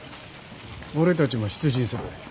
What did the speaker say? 俺たちも出陣する。